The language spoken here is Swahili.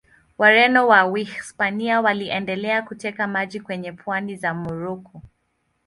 Wareno wa Wahispania waliendelea kuteka miji kwenye pwani za Moroko.